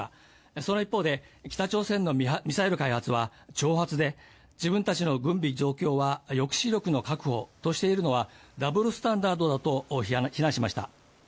その一方で北朝鮮の実はミサイル開発は挑発で自分たちの軍備増強は抑止力の確保としているのはダブルスタンダードだと非難しました。